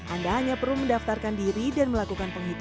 anda hanya perlu mendaftarkan diri dan melakukan penghitungan